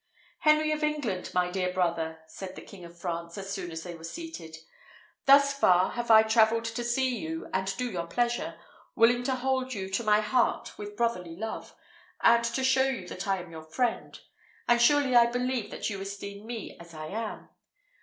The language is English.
"Henry of England, my dear brother," said the King of France, as soon as they were seated, "thus far have I travelled to see you and do you pleasure; willing to hold you to my heart with brotherly love, and to show you that I am your friend: and surely I believe that you esteem me as I am.